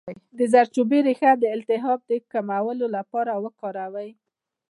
د زردچوبې ریښه د التهاب د کمولو لپاره وکاروئ